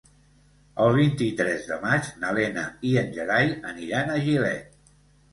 El vint-i-tres de maig na Lena i en Gerai aniran a Gilet.